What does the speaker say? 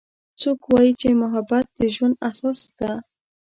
څوک وایي چې محبت د ژوند اساس ده